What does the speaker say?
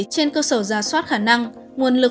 trên cơ sở giả soát khả năng nguồn lực